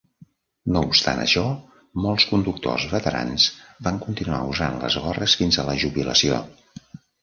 No obstant això, molts conductors veterans van continuar usant les gorres fins a la jubilació.